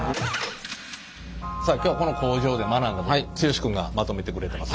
さあ今日この工場で学んだこと剛君がまとめてくれてます。